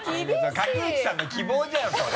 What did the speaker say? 垣内さんの希望じゃんそれ。